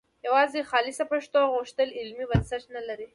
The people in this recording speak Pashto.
یوازې خالصه پښتو غوښتل علمي بنسټ نه لري